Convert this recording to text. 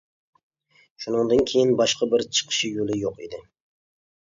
شۇنىڭدىن كېيىن باشقا بىر چىقىش يولى يوق ئىدى.